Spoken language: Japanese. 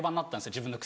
自分の靴。